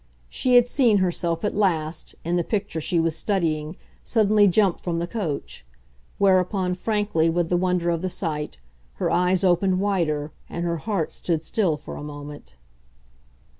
She had seen herself at last, in the picture she was studying, suddenly jump from the coach; whereupon, frankly, with the wonder of the sight, her eyes opened wider and her heart stood still for a moment.